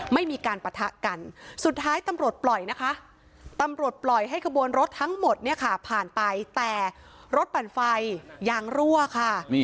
ไม่มีการปะทะกันสุดท้ายตำรวจปล่อยนะคะตำรวจปล่อยให้ขบวนรถทั้งหมดเนี่ยค่ะผ่านไปแต่รถปั่นไฟยางรั่วค่ะ